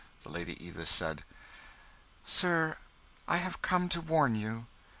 The Lady Edith said "Sir, I have come to warn you.